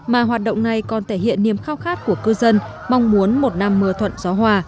mà hoạt động này còn thể hiện niềm khao khát của cư dân mong muốn một năm mưa thuận gió hòa